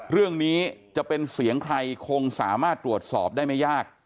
เรื่องนี้จะเป็นเสียงใครคงสามารถตรวจสอบได้ไม่ยาก